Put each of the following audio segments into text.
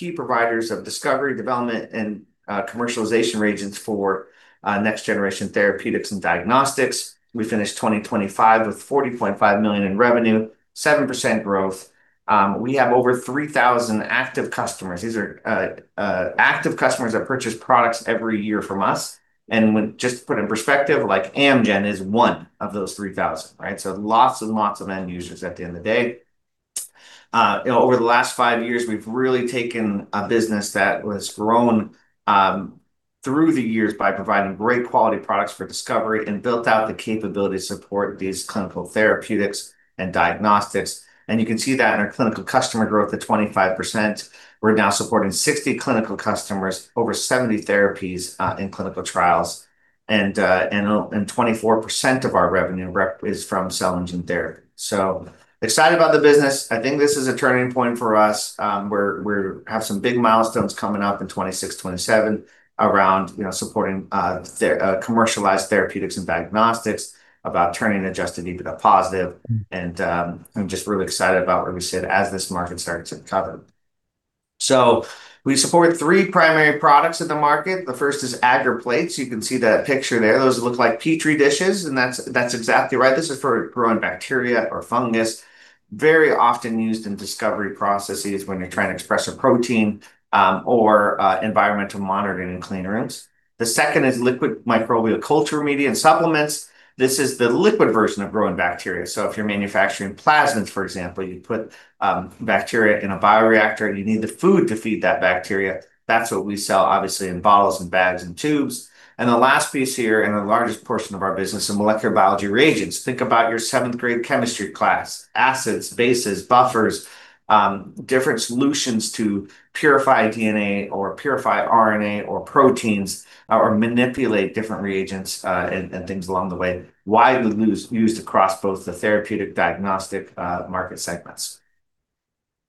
The key providers of discovery, development and commercialization reagents for next generation therapeutics and diagnostics. We finished 2025 with $40.5 million in revenue, 7% growth. We have over 3,000 active customers. These are active customers that purchase products every year from us. Just to put it in perspective, like, Amgen is one of those 3,000, right? So lots and lots of end users at the end of the day. Over the last five years, we've really taken a business that was grown through the years by providing great quality products for discovery and built out the capability to support these clinical therapeutics and diagnostics. You can see that in our clinical customer growth of 25%. We're now supporting 60 clinical customers, over 70 therapies in clinical trials. 24% of our revenue is from cell and gene therapy. Excited about the business. I think this is a turning point for us, where we have some big milestones coming up in 2026, 2027 around, you know, supporting commercialized therapeutics and diagnostics, about turning adjusted EBITDA positive. I'm just really excited about where we sit as this market starts to recover. We support three primary products in the market. The first is Agar Plates. You can see that picture there. Those look like Petri dishes, and that's exactly right. This is for growing bacteria or fungus, very often used in discovery processes when you're trying to express a protein or environmental monitoring in clean rooms. The second is liquid microbial culture media and supplements. This is the liquid version of growing bacteria. If you're manufacturing plasmids, for example, you put bacteria in a bioreactor, and you need the food to feed that bacteria. That's what we sell, obviously, in bottles and bags and tubes. And the last piece here, and the largest portion of our business, are molecular biology reagents. Think about your seventh-grade chemistry class, acids, bases, buffers, different solutions to purify DNA or purify RNA or proteins or manipulate different reagents, and things along the way. Widely used across both the therapeutic and diagnostic market segments.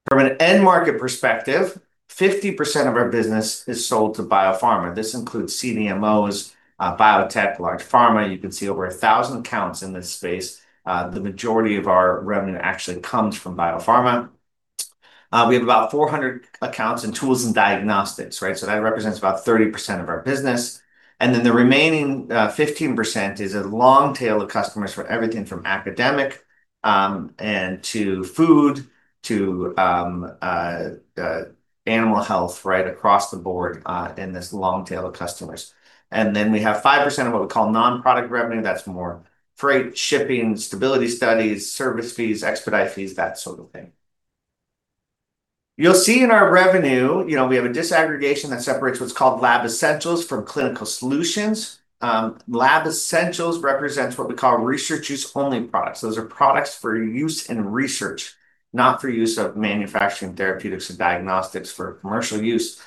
From an end market perspective, 50% of our business is sold to biopharma. This includes CDMOs, biotech, large pharma. You can see over 1,000 accounts in this space. The majority of our revenue actually comes from biopharma. We have about 400 accounts in tools and diagnostics, right? That represents about 30% of our business. The remaining 15% is a long tail of customers for everything from academic to food to animal health right across the board in this long tail of customers. We have 5% of what we call non-product revenue. That's more freight, shipping, stability studies, service fees, expedite fees, that sort of thing. You'll see in our revenue, you know, we have a disaggregation that separates what's called Lab Essentials from Clinical Solutions. Lab Essentials represents what we call Research Use Only products. Those are products for use in research, not for use in manufacturing therapeutics and diagnostics for commercial use.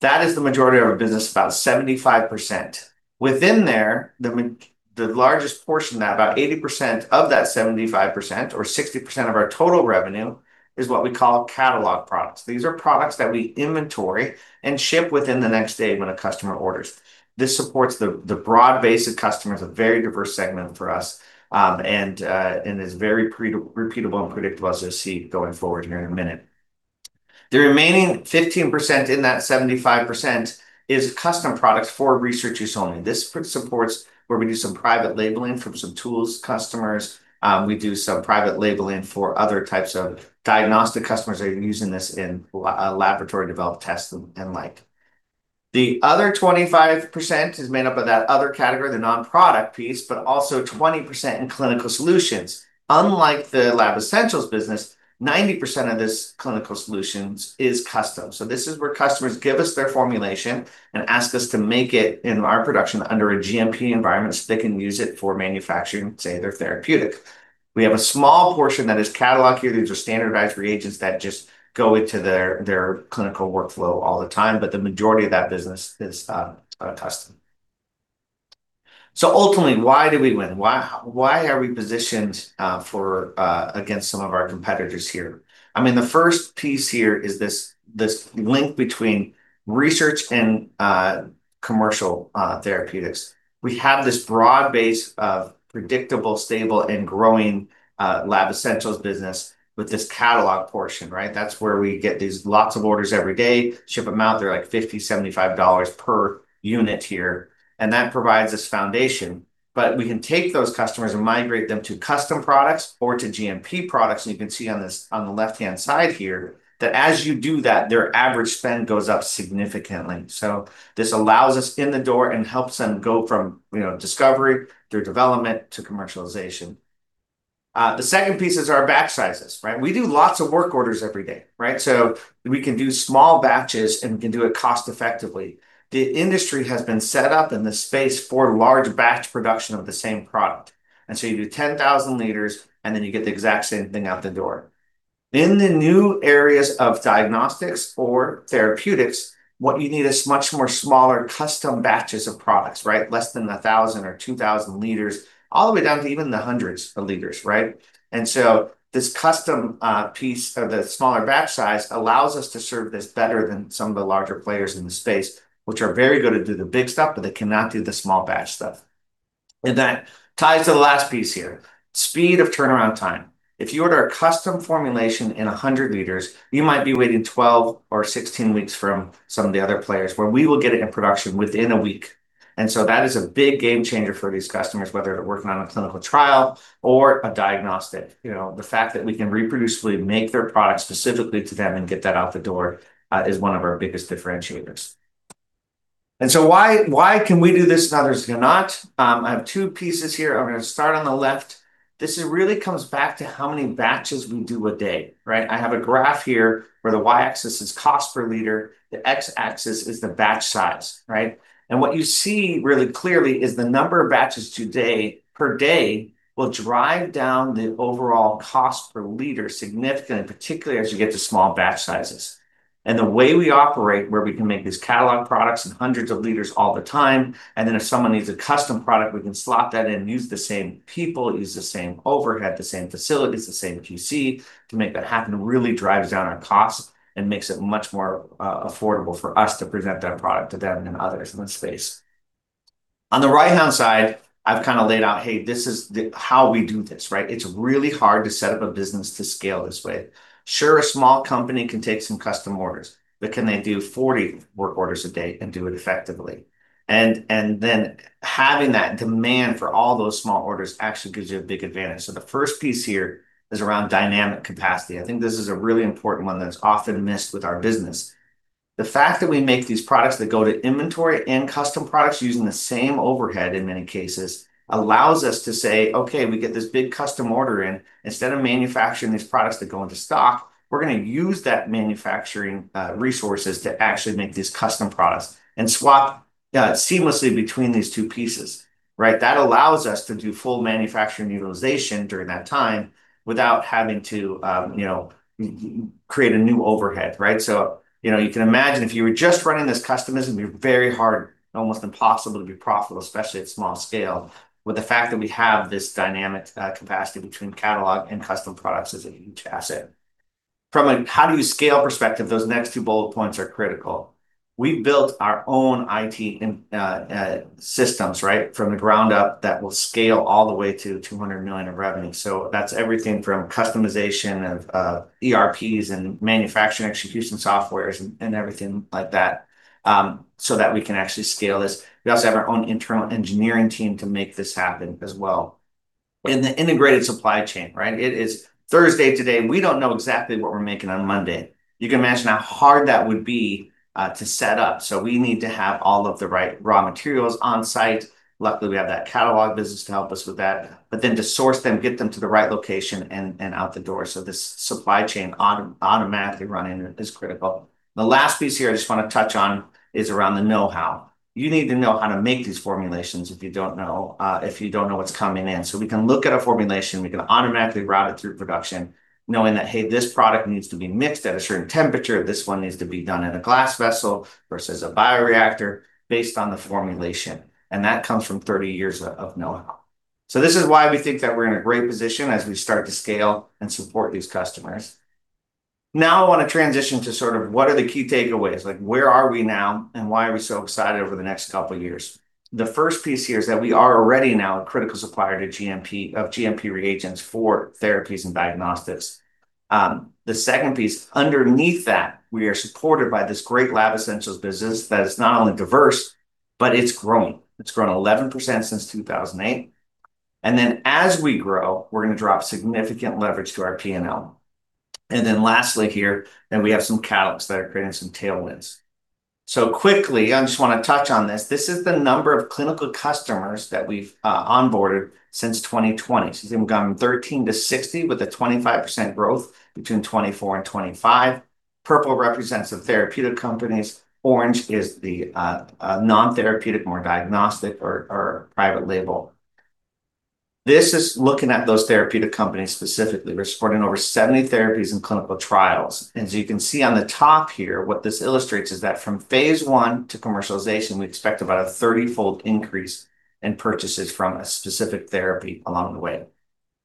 That is the majority of our business, about 75%. Within there, the largest portion of that, about 80% of that 75% or 60% of our total revenue, is what we call catalog products. These are products that we inventory and ship within the next day when a customer orders. This supports the broad base of customers, a very diverse segment for us, and is very repeatable and predictable, as you'll see going forward here in a minute. The remaining 15% in that 75% is custom products for Research Use Only. This supports where we do some private labeling for some tools customers. We do some private labeling for other types of diagnostic customers that are using this in laboratory-developed tests and like. The other 25% is made up of that other category, the non-product piece, but also 20% in Clinical Solutions. Unlike the Lab Essentials business, 90% of this Clinical Solutions is custom. This is where customers give us their formulation and ask us to make it in our production under a GMP environment, so they can use it for manufacturing, say, their therapeutic. We have a small portion that is catalog here. These are standardized reagents that just go into their clinical workflow all the time, but the majority of that business is custom. Ultimately, why do we win? Why are we positioned for against some of our competitors here? I mean, the first piece here is this link between research and commercial therapeutics. We have this broad base of predictable, stable, and growing Lab Essentials business with this catalog portion, right? That's where we get these lots of orders every day, ship them out. They're like $50-$75 per unit here, and that provides this foundation. We can take those customers and migrate them to custom products or to GMP products. You can see on this, on the left-hand side here that as you do that, their average spend goes up significantly. This allows us in the door and helps them go from, you know, discovery through development to commercialization. The second piece is our batch sizes, right? We do lots of work orders every day, right? We can do small batches, and we can do it cost-effectively. The industry has been set up in the space for large batch production of the same product. You do 10,000 liters, and then you get the exact same thing out the door. In the new areas of diagnostics or therapeutics, what you need is much more smaller custom batches of products, right? Less than 1,000 or 2,000 liters, all the way down to even the hundreds of liters, right? This custom piece of the smaller batch size allows us to serve this better than some of the larger players in the space, which are very good to do the big stuff, but they cannot do the small batch stuff. That ties to the last piece here, speed of turnaround time. If you order a custom formulation in 100 liters, you might be waiting 12 weeks or 16 weeks from some of the other players, where we will get it in production within a week. That is a big game changer for these customers, whether they're working on a clinical trial or a diagnostic. You know, the fact that we can reproducibly make their product specifically to them and get that out the door is one of our biggest differentiators. Why, why can we do this and others cannot? I have two pieces here. I'm going to start on the left. This really comes back to how many batches we do a day, right? I have a graph here where the Y-axis is cost per liter, the X-axis is the batch size, right? What you see really clearly is the number of batches today per day will drive down the overall cost per liter significantly, particularly as you get to small batch sizes. The way we operate, where we can make these catalog products in hundreds of liters all the time, and then if someone needs a custom product, we can slot that in, use the same people, use the same overhead, the same facilities, the same QC to make that happen, really drives down our cost and makes it much more affordable for us to present that product to them and others in the space. On the right-hand side, I've kind of laid out, hey, this is how we do this, right? It's really hard to set up a business to scale this way. Sure, a small company can take some custom orders, but can they do 40 work orders a day and do it effectively? And then having that demand for all those small orders actually gives you a big advantage. The first piece here is around dynamic capacity. I think this is a really important one that's often missed with our business. The fact that we make these products that go to inventory and custom products using the same overhead in many cases allows us to say, "Okay, we get this big custom order in. Instead of manufacturing these products that go into stock, we're going to use that manufacturing resources to actually make these custom products," and swap seamlessly between these two pieces, right? That allows us to do full manufacturing utilization during that time without having to you know, create a new overhead, right? You know, you can imagine if you were just running this custom, this would be very hard and almost impossible to be profitable, especially at small scale. The fact that we have this dynamic capacity between catalog and custom products is a huge asset. From a how-do-you-scale perspective, those next two bullet points are critical. We built our own IT and systems right from the ground up that will scale all the way to $200 million of revenue. That's everything from customization of ERPs and manufacturing execution software and everything like that, so that we can actually scale this. We also have our own internal engineering team to make this happen as well. In the integrated supply chain, right? It is Thursday today, and we don't know exactly what we're making on Monday. You can imagine how hard that would be to set up. We need to have all of the right raw materials on-site. Luckily, we have that catalog business to help us with that. To source them, get them to the right location and out the door, so this supply chain automatically running is critical. The last piece here I just want to touch on is around the know-how. You need to know how to make these formulations if you don't know what's coming in. We can look at a formulation, we can automatically route it through production, knowing that, hey, this product needs to be mixed at a certain temperature, this one needs to be done in a glass vessel versus a bioreactor based on the formulation. That comes from 30 years of know-how. This is why we think that we're in a great position as we start to scale and support these customers. Now I want to transition to sort of what are the key takeaways. Like where are we now, and why are we so excited over the next couple of years? The first piece here is that we are already now a critical supplier of GMP reagents for therapies and diagnostics. The second piece underneath that, we are supported by this great Lab Essentials business that is not only diverse, but it's grown. It's grown 11% since 2008. As we grow, we're going to drive significant leverage to our P&L. We have some catalysts that are creating some tailwinds. Quickly, I just want to touch on this. This is the number of clinical customers that we've onboarded since 2020. You can see we've gone 13 to 60 with a 25% growth between 2024 and 2025. Purple represents the therapeutic companies. Orange is the non-therapeutic, more diagnostic or private label. This is looking at those therapeutic companies specifically. We're supporting over 70 therapies in clinical trials. You can see on the top here, what this illustrates is that from phase I to commercialization, we expect about a 30-fold increase in purchases from a specific therapy along the way.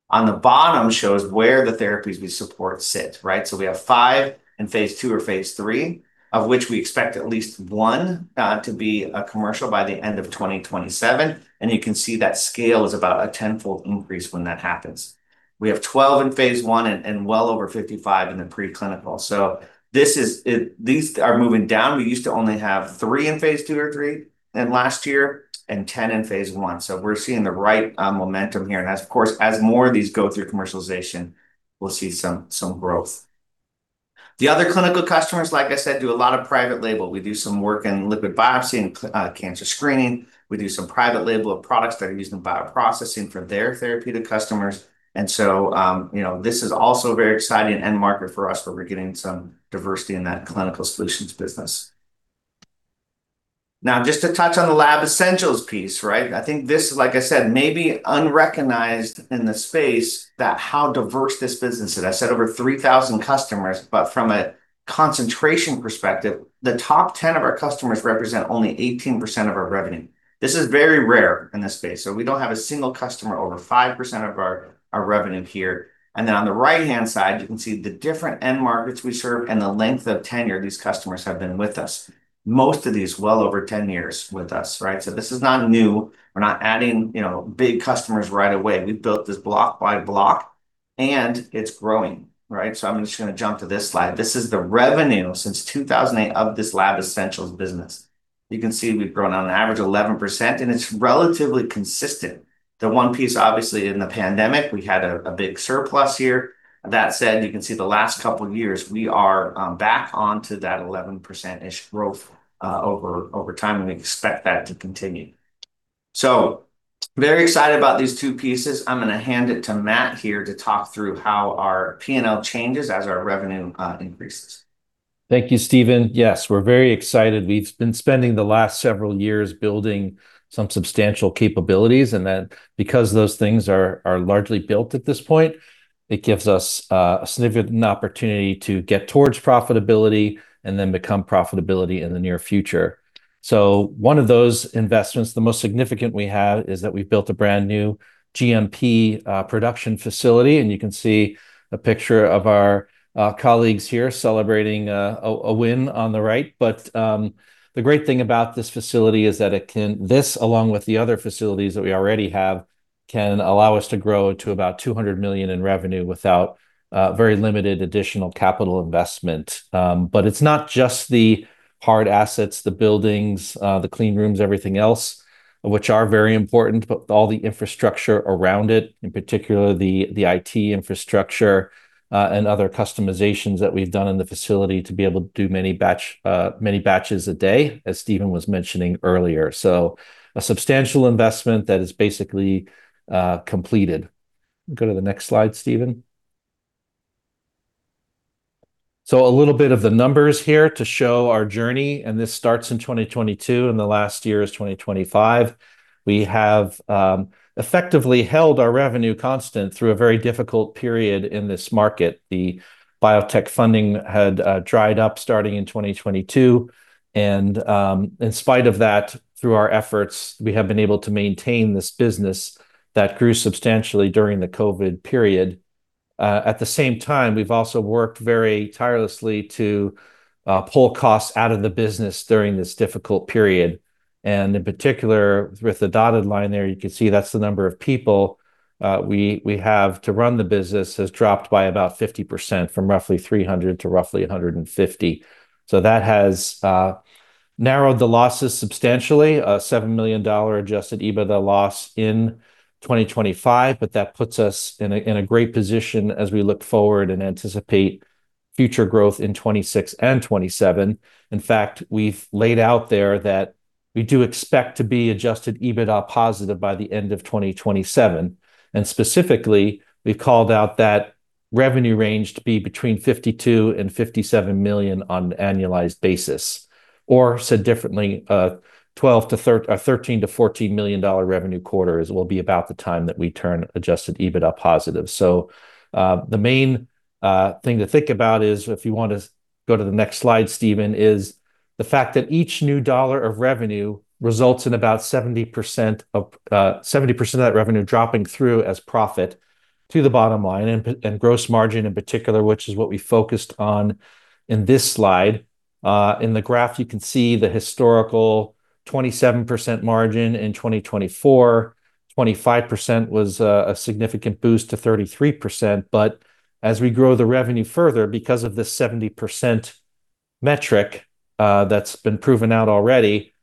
On the bottom shows where the therapies we support sit, right? We have five in phase II or phase III, of which we expect at least one to be commercial by the end of 2027, and you can see that scale is about a 10-fold increase when that happens. We have 12 in phase I and well over 55 in the preclinical. These are moving down. We used to only have three in phase II or III in last year and 10 in phase I. We're seeing the right momentum here. As, of course, as more of these go through commercialization, we'll see some growth. The other clinical customers, like I said, do a lot of private label. We do some work in liquid biopsy and cancer screening. We do some private label of products that are used in bioprocessing for their therapeutic customers. You know, this is also a very exciting end market for us where we're getting some diversity in that Clinical Solutions business. Now, just to touch on the Lab Essentials piece, right? I think this, like I said, may be unrecognized in the space that how diverse this business is. I said over 3,000 customers, but from a concentration perspective, the top 10 of our customers represent only 18% of our revenue. This is very rare in this space. We don't have a single customer over 5% of our revenue here. On the right-hand side, you can see the different end markets we serve and the length of tenure these customers have been with us. Most of these well over 10 years with us, right? This is not new. We're not adding, you know, big customers right away. We've built this block by block, and it's growing, right? I'm just going to jump to this slide. This is the revenue since 2008 of this Lab Essentials business. You can see we've grown on average 11%, and it's relatively consistent. The one piece, obviously, in the pandemic, we had a big surplus here. That said, you can see the last couple years, we are back onto that 11%-ish growth over time, and we expect that to continue. Very excited about these two pieces. I'm going to hand it to Matt here to talk through how our P&L changes as our revenue increases. Thank you, Stephen. Yes, we're very excited. We've been spending the last several years building some substantial capabilities, and then because those things are largely built at this point, it gives us a significant opportunity to get towards profitability and then become profitable in the near future. One of those investments, the most significant we have, is that we've built a brand-new GMP production facility, and you can see a picture of our colleagues here celebrating a win on the right. The great thing about this facility is that this, along with the other facilities that we already have, can allow us to grow to about $200 million in revenue without very limited additional capital investment. It's not just the hard assets, the buildings, the clean rooms, everything else, which are very important, but all the infrastructure around it, in particular the IT infrastructure, and other customizations that we've done in the facility to be able to do many batches a day, as Stephen was mentioning earlier. A substantial investment that is basically completed. Go to the next slide, Stephen. A little bit of the numbers here to show our journey, and this starts in 2022, and the last year is 2025. We have effectively held our revenue constant through a very difficult period in this market. The biotech funding had dried up starting in 2022, and in spite of that, through our efforts, we have been able to maintain this business that grew substantially during the COVID period. At the same time, we've also worked very tirelessly to pull costs out of the business during this difficult period, and in particular, with the dotted line there, you can see that's the number of people we have to run the business has dropped by about 50% from roughly 300 to roughly 150. That has narrowed the losses substantially, a $7 million adjusted EBITDA loss in 2025, but that puts us in a great position as we look forward and anticipate future growth in 2026 and 2027. In fact, we've laid out there that we do expect to be adjusted EBITDA positive by the end of 2027. Specifically, we've called out that revenue range to be between $52 million and $57 million on annualized basis. Said differently, $13 million-$14 million revenue quarters will be about the time that we turn Adjusted EBITDA positive. The main thing to think about is, if you want to go to the next slide, Stephen, is the fact that each new dollar of revenue results in about 70% of that revenue dropping through as profit to the bottom line and gross margin in particular, which is what we focused on in this slide. In the graph, you can see the historical 27% margin in 2024. 25% was a significant boost to 33%. As we grow the revenue further, because of the 70% metric, that's been proven out already,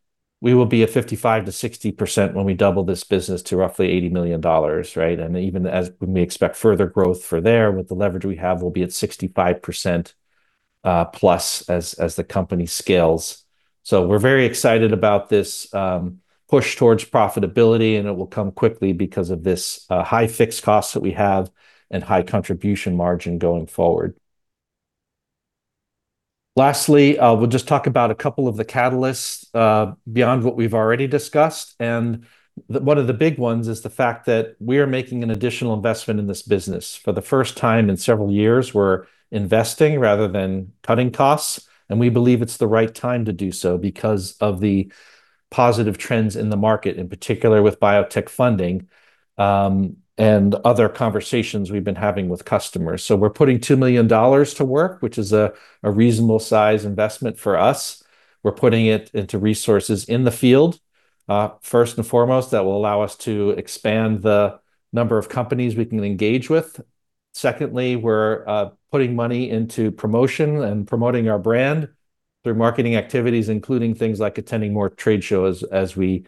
we will be at 55%-60% when we double this business to roughly $80 million, right? Even as we may expect further growth for there, with the leverage we have, we'll be at 65%+ as the company scales. We're very excited about this push towards profitability, and it will come quickly because of this high fixed costs that we have and high contribution margin going forward. Lastly, we'll just talk about a couple of the catalysts beyond what we've already discussed. One of the big ones is the fact that we are making an additional investment in this business. For the first time in several years, we're investing rather than cutting costs, and we believe it's the right time to do so because of the positive trends in the market, in particular with biotech funding, and other conversations we've been having with customers. We're putting $2 million to work, which is a reasonable size investment for us. We're putting it into resources in the field. First and foremost, that will allow us to expand the number of companies we can engage with. Secondly, we're putting money into promotion and promoting our brand through marketing activities, including things like attending more trade shows as we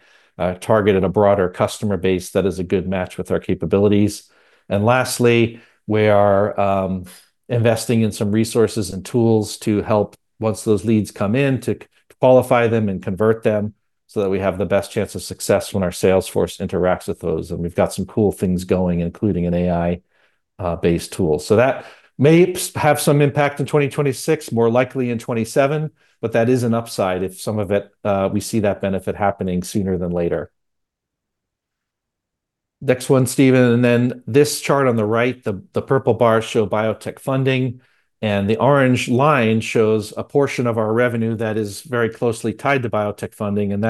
target a broader customer base that is a good match with our capabilities. Lastly, we are investing in some resources and tools to help once those leads come in to qualify them and convert them so that we have the best chance of success when our sales force interacts with those. We've got some cool things going, including an AI-based tool. That may have some impact in 2026, more likely in 2027, but that is an upside if some of it we see that benefit happening sooner than later. Next one, Stephen. Then this chart on the right, the purple bars show biotech funding, and the orange line shows a portion of our revenue that is very closely tied to biotech funding, and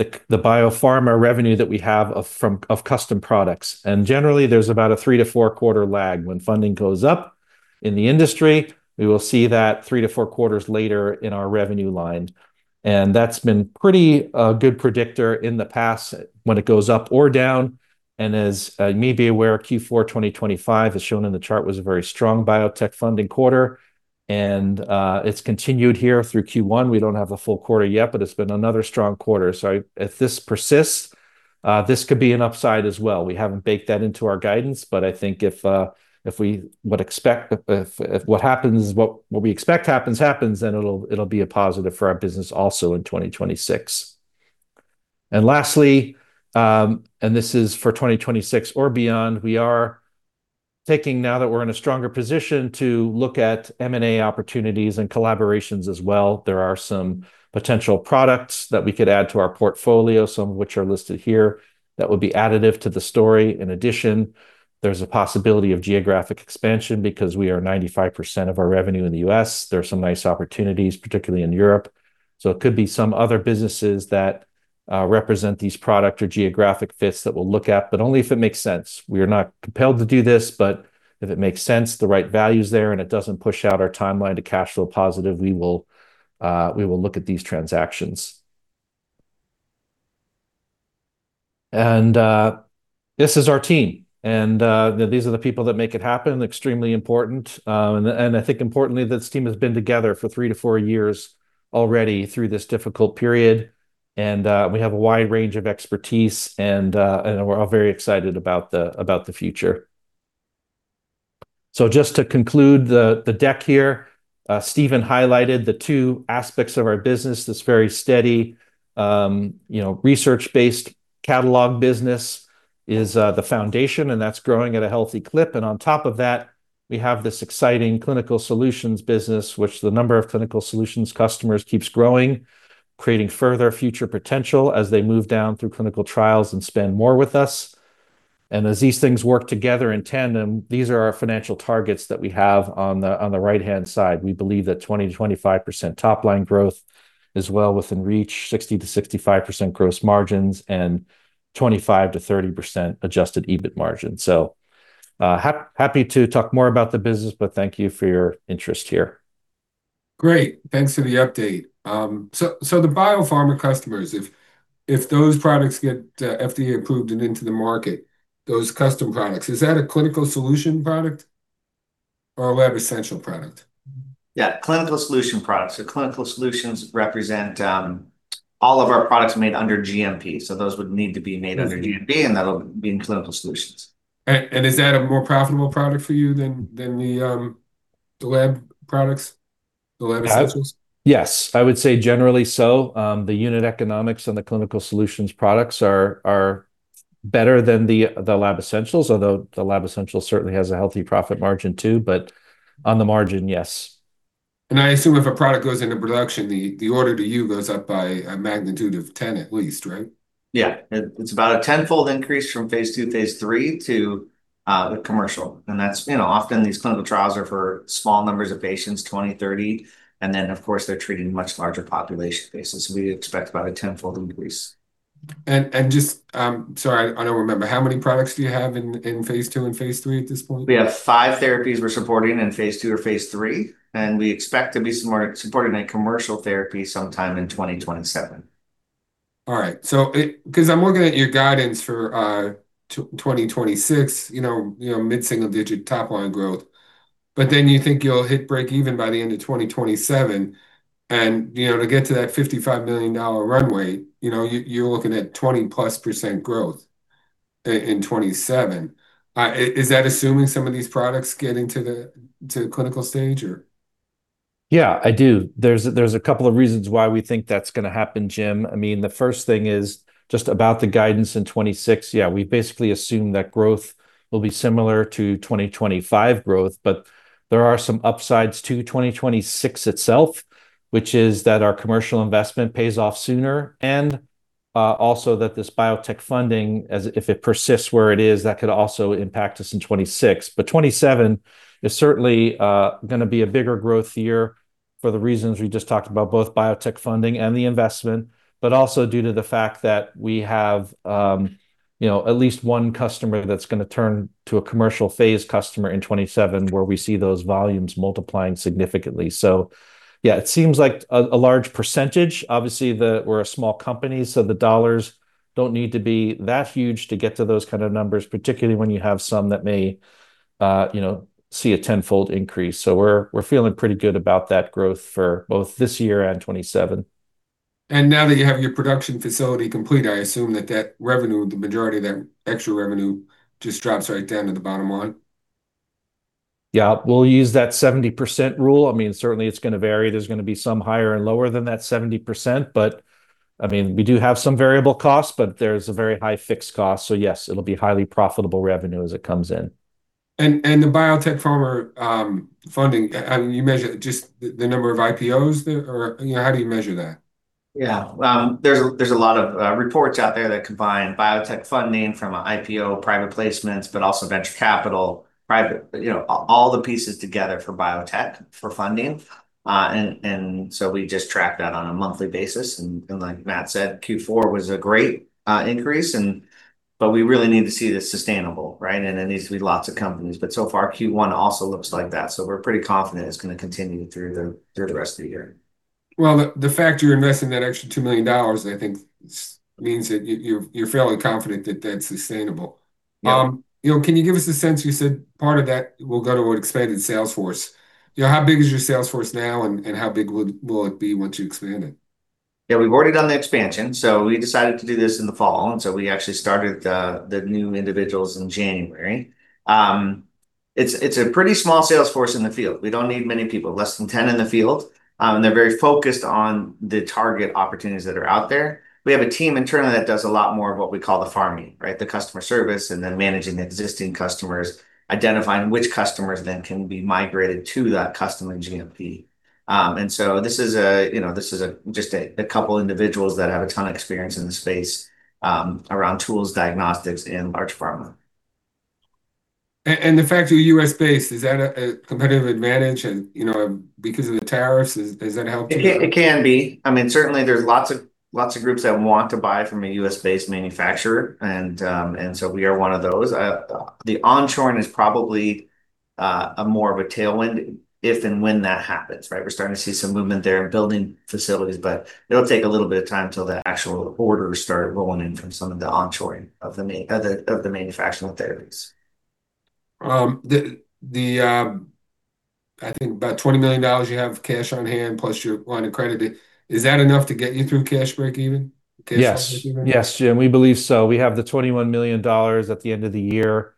that's the biopharma revenue that we have from custom products, and generally there's about a three to four quarter lag. When funding goes up in the industry, we will see that three to four quarters later in our revenue line, and that's been pretty good predictor in the past when it goes up or down. As you may be aware, Q4 2025, as shown in the chart, was a very strong biotech funding quarter, and it's continued here through Q1. We don't have a full quarter yet, but it's been another strong quarter. If this persists, this could be an upside as well. We haven't baked that into our guidance, but I think if what we expect happens, then it'll be a positive for our business also in 2026. Lastly, this is for 2026 or beyond, we are taking now that we're in a stronger position to look at M&A opportunities and collaborations as well. There are some potential products that we could add to our portfolio, some of which are listed here, that would be additive to the story. In addition, there's a possibility of geographic expansion because we are 95% of our revenue in the U.S. There are some nice opportunities, particularly in Europe. It could be some other businesses that represent these product or geographic fits that we'll look at, but only if it makes sense. We are not compelled to do this, but if it makes sense, the right value's there, and it doesn't push out our timeline to cash flow positive, we will look at these transactions. This is our team, and these are the people that make it happen, extremely important. I think importantly, this team has been together for three to four years already through this difficult period and we have a wide range of expertise and we're all very excited about the future. Just to conclude the deck here, Stephen highlighted the two aspects of our business. This very steady, you know, research-based catalog business is the foundation, and that's growing at a healthy clip. On top of that, we have this exciting Clinical Solutions business, which the number of Clinical Solutions customers keeps growing, creating further future potential as they move down through clinical trials and spend more with us. As these things work together in tandem, these are our financial targets that we have on the right-hand side. We believe that 20%-25% top-line growth is well within reach, 60%-65% gross margins, and 25%-30% Adjusted EBIT margin. Happy to talk more about the business, but thank you for your interest here. Great. Thanks for the update. The biopharma customers, if those products get FDA approved and into the market, those custom products, is that a Clinical Solutions product or a Lab Essentials product? Clinical Solutions products. Clinical Solutions represent all of our products made under GMP. Those would need to be made under- Mm-hmm GMP, and that'll be in Clinical Solutions. Is that a more profitable product for you than the lab products? The Lab Essentials? Yes. I would say generally so. The unit economics and the Clinical Solutions products are better than the Lab Essentials, although the Lab Essentials certainly has a healthy profit margin too. On the margin, yes. I assume if a product goes into production, the order to you goes up by a magnitude of 10 at least, right? Yeah. It's about a tenfold increase from phase II, phase III to the commercial. That's, you know, often these clinical trials are for small numbers of patients, 20, 30, and then, of course, they're treating much larger population bases. We expect about a tenfold increase. Just sorry, I don't remember. How many products do you have in phase II and phase three at this point? We have five therapies we're supporting in phase II or phase III, and we expect to start supporting a commercial therapy sometime in 2027. All right. Because I'm looking at your guidance for 2026, you know, you know, mid-single-digit top-line growth. Then you think you'll hit break-even by the end of 2027 and, you know, to get to that $55 million runway, you know, you're looking at 20%+ growth in 2027. Is that assuming some of these products getting to the clinical stage or? Yeah, I do. There's a couple of reasons why we think that's going to happen, Jim. I mean, the first thing is just about the guidance in 2026. Yeah, we basically assume that growth will be similar to 2025 growth, but there are some upsides to 2026 itself, which is that our commercial investment pays off sooner and also that this biotech funding if it persists where it is, that could also impact us in 2026. 2027 is certainly going to be a bigger growth year for the reasons we just talked about, both biotech funding and the investment, but also due to the fact that we have you know, at least one customer that's going to turn to a commercial phase customer in 2027 where we see those volumes multiplying significantly. Yeah, it seems like a large percentage. Obviously, we're a small company, so the dollars don't need to be that huge to get to those kind of numbers, particularly when you have some that may, you know, see a tenfold increase. We're feeling pretty good about that growth for both this year and 2027. Now that you have your production facility complete, I assume that revenue, the majority of that extra revenue just drops right down to the bottom line. Yeah. We'll use that 70% rule. I mean, certainly it's going to vary. There's going to be some higher and lower than that 70%, but I mean, we do have some variable costs, but there's a very high fixed cost. Yes, it'll be highly profitable revenue as it comes in. The biotech pharma funding, you measure just the number of IPOs there or, you know, how do you measure that? Yeah. There's a lot of reports out there that combine biotech funding from a IPO, private placements, but also venture capital. You know, all the pieces together for biotech funding. We just track that on a monthly basis, and like Matt said, Q4 was a great increase. We really need to see this sustainable, right? There needs to be lots of companies. So far, Q1 also looks like that, so we're pretty confident it's going to continue through the rest of the year. Well, the fact you're investing that extra $2 million I think means that you're fairly confident that that's sustainable. Yeah. You know, can you give us a sense? You said part of that will go to an expanded sales force. You know, how big is your sales force now and how big will it be once you expand it? Yeah. We've already done the expansion. We decided to do this in the fall, and so we actually started the new individuals in January. It's a pretty small sales force in the field. We don't need many people. Less than 10 in the field, and they're very focused on the target opportunities that are out there. We have a team internally that does a lot more of what we call the farming, right? The customer service and then managing existing customers, identifying which customers then can be migrated to that customer GMP. This is a, you know, just a couple individuals that have a ton of experience in the space around tools, diagnostics in large pharma. The fact you're U.S.-based, is that a competitive advantage and, you know, because of the tariffs? Is that helping you? It can, it can be. I mean, certainly there's lots of groups that want to buy from a U.S.-based manufacturer, and so we are one of those. The onshoring is probably a more of a tailwind if and when that happens, right? We're starting to see some movement there in building facilities, but it'll take a little bit of time till the actual orders start rolling in from some of the onshoring of the manufacturing therapies. I think about $20 million you have cash on hand, plus your line of credit. Is that enough to get you through cash break-even? Yes. Yes, Jim, we believe so. We have the $21 million at the end of the year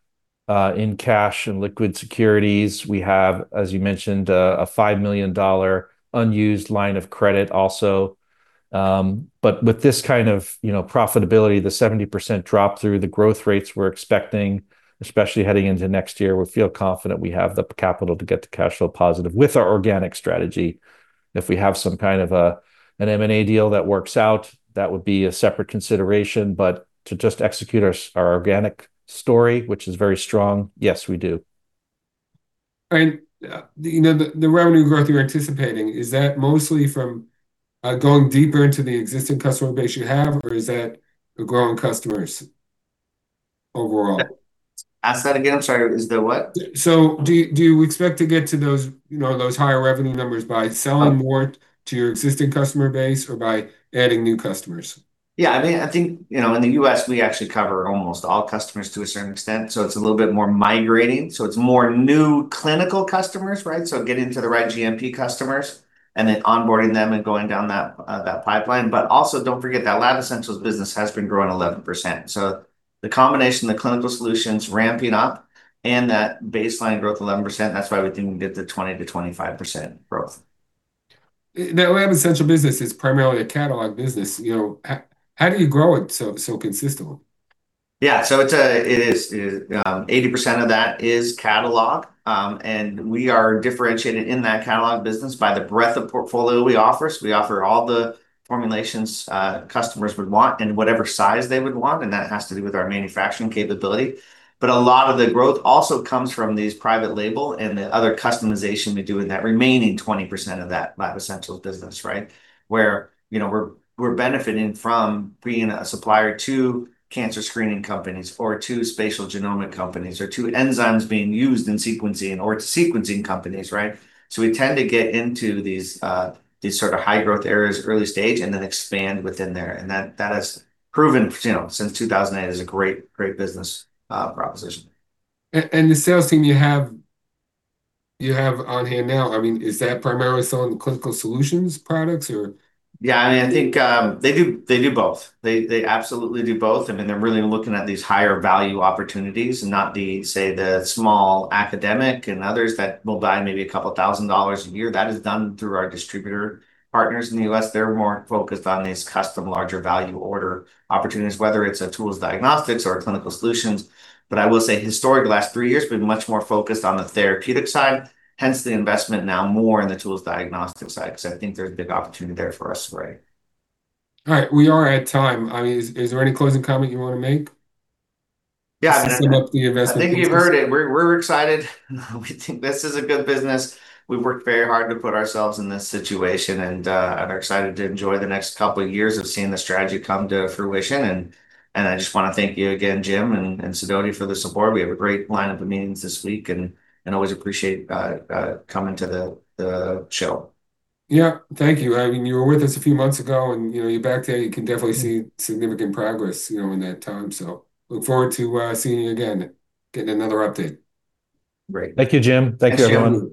in cash and liquid securities. We have, as you mentioned, a $5 million unused line of credit also. With this kind of, you know, profitability, the 70% drop through, the growth rates we're expecting, especially heading into next year, we feel confident we have the capital to get to cash flow positive with our organic strategy. If we have some kind of an M&A deal that works out, that would be a separate consideration. To just execute our organic story, which is very strong, yes, we do. You know, the revenue growth you're anticipating, is that mostly from going deeper into the existing customer base you have, or is that growing customers overall? Ask that again. I'm sorry. Is the what? Do you expect to get to those, you know, those higher revenue numbers by selling more to your existing customer base or by adding new customers? Yeah. I mean, I think, you know, in the U.S., we actually cover almost all customers to a certain extent, so it's a little bit more migrating. It's more new clinical customers, right? Getting to the right GMP customers and then onboarding them and going down that pipeline. Also don't forget that Lab Essentials business has been growing 11%. The combination of the Clinical Solutions ramping up and that baseline growth 11%, that's why we think we can get to 20%-25% growth. The Lab Essentials business is primarily a catalog business. You know, how do you grow it so consistently? It is. 80% of that is catalog, and we are differentiated in that catalog business by the breadth of portfolio we offer. We offer all the formulations customers would want in whatever size they would want, and that has to do with our manufacturing capability. A lot of the growth also comes from these private label and the other customization we do in that remaining 20% of that Lab Essentials business, right? Where we're benefiting from being a supplier to cancer screening companies or to spatial genomics companies or to enzymes being used in sequencing or to sequencing companies, right? We tend to get into these sort of high growth areas early stage and then expand within there, and that has proven since 2008 as a great business proposition. The sales team you have on hand now, I mean, is that primarily selling the Clinical Solutions products or? Yeah. I mean, I think they do both. They absolutely do both, and then they're really looking at these higher value opportunities and not, say, the small academic and others that will buy maybe a couple thousand dollars a year. That is done through our distributor partners in the U.S. They're more focused on these custom larger value order opportunities, whether it's tools diagnostics or clinical solutions. I will say historically, the last three years, we've been much more focused on the therapeutic side, hence the investment now more in the tools diagnostic side, because I think there's a big opportunity there for us to grow. All right. We are at time. I mean, is there any closing comment you want to make? Yeah to set up the investment thesis? I think you've heard it. We're excited. We think this is a good business. We've worked very hard to put ourselves in this situation and are excited to enjoy the next couple of years of seeing the strategy come to fruition. I just want to thank you again, Jim, and Sidoti for the support. We have a great line-up of meetings this week and always appreciate coming to the show. Yeah. Thank you. I mean, you were with us a few months ago and, you know, you're back here. You can definitely see significant progress, you know, in that time. Look forward to seeing you again, getting another update. Great. Thank you, Jim. Thank you, everyone.